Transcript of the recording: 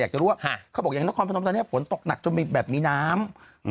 อยากจะรู้ว่ามันตกหนักจนมีแบบมีน้ำ